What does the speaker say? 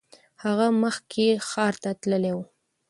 هغه مخکې ښار ته تللی و.